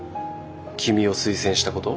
君を推薦したこと？